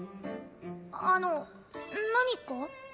あの何か？